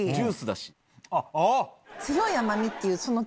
強い甘みっていうその。